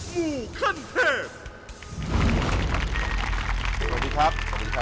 สวัสดีครับสวัสดีครับ